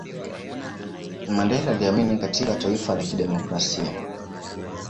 mandela aliamini katika taifa la kidemokrasia